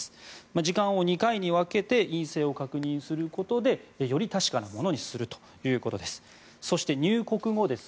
時間を２回に分けて陰性を確認することでより確かなものにするということです。